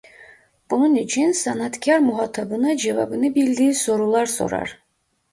Bunun için sanatkâr muhatabına cevabını bildiği sorular sorar.